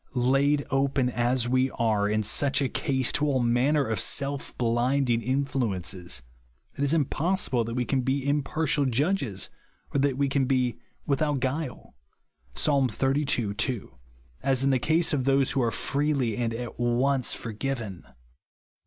Laid open, as we are, in such a case, to all manner of self blinding influences, it is impossible that we can be impartial judges, or that we can be " without guile'' (Psa. xxxii. 2), as in the case of those who are freely and at once forgiven.